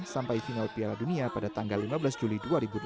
sampai final piala dunia pada tanggal lima belas juli dua ribu delapan belas